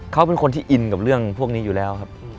เขาเป็นคนที่อินกับเรื่องพวกนี้อยู่แล้วครับ